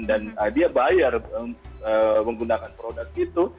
dan dia bayar menggunakan produk itu